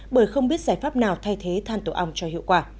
bởi không biết giải pháp nào thay thế than tổ ong cho hiệu quả